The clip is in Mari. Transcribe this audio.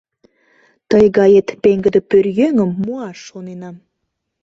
Тый гает пеҥгыде пӧръеҥым муаш шоненам.